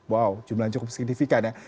wow jumlahnya cukup signifikan ya